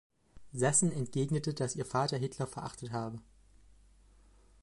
Sassen entgegnete, dass ihr Vater Hitler verachtet habe.